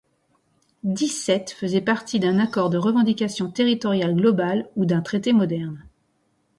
Dix-sept faisaient partie d'un accord de revendication territoriale globale ou d'un traité moderne.